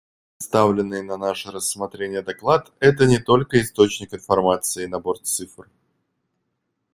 Представленный на наше рассмотрение доклад — это не только источник информации и набор цифр.